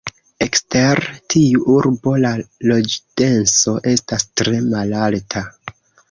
Ekster tiu urbo la loĝdenso estas tre malalta.